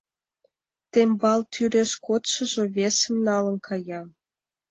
Тембал тӱреш кодшыжо весым налын кая.